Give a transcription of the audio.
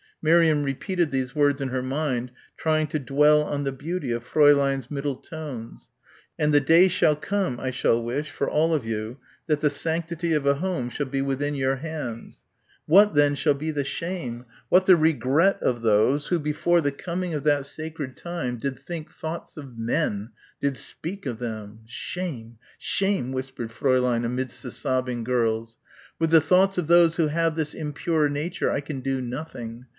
Miriam repeated these words in her mind trying to dwell on the beauty of Fräulein's middle tones. "And the day shall come, I shall wish, for all of you, that the sanctity of a home shall be within your hands. What then shall be the shame, what the regret of those who before the coming of that sacred time did think thoughts of men, did speak of them? Shame, shame," whispered Fräulein amidst the sobbing of the girls. "With the thoughts of those who have this impure nature I can do nothing.